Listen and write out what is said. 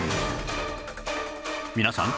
皆さん